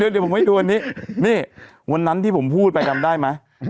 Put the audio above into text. เดี๋ยวผมไว้ดูอันนี้เหมือนวันนั้นที่ผมพูดไปรับได้มั้ย